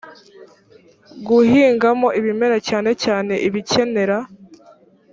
guhingamo ibimera cyane cyane ibikenera